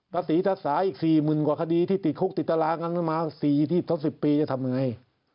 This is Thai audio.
ประสิทธิสารอีก๔๐๐๐๐กว่าคดีที่ติดคลุกติดตารางนั้นมา๔๐๒๐ปีจะทำยังไง